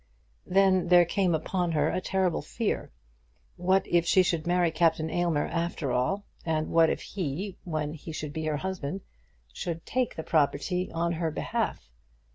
Then there came upon her a terrible fear. What if she should marry Captain Aylmer after all; and what if he, when he should be her husband, should take the property on her behalf!